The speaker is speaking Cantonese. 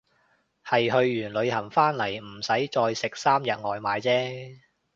係去完旅行返嚟唔使再食三日外賣姐